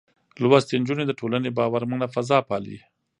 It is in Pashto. لوستې نجونې د ټولنې باورمنه فضا پالي.